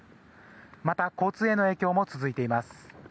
また交通への影響も続いています。